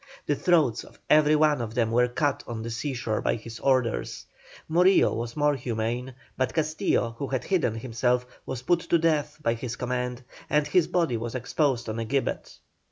The throats of every one of them were cut on the seashore by his orders. Morillo was more humane, but Castillo, who had hidden himself, was put to death by his command, and his body was exposed on a gibbet.